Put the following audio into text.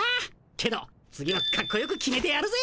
けど次はカッコよく決めてやるぜ！